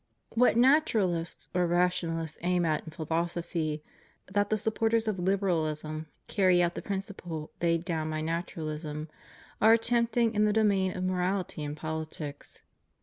What Naturalists or Rationalists aim at in philosophy, that the supporters of Liberalism, carrying out the princi ples laid down by Naturalism, are attempting in the domain of morality and politics.